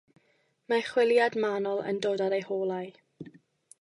Mae chwiliad manwl yn dod ar eu holau.